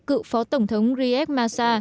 cựu phó tổng thống riyad massa